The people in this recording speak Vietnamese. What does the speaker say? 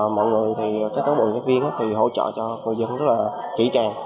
mọi người thì các tổ bộ nhân viên thì hỗ trợ cho người dân rất là kỹ tràng